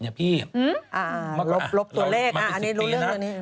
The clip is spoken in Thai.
พี่มาลบตัวเลขอันนี้รู้เรื่องตัวนี้